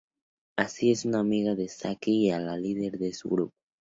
Ai es una amiga de Saki y la líder de su grupo.